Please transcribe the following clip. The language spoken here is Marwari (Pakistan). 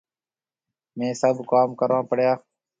ميه سڀ ڪوم ڪرون پيڙيا۔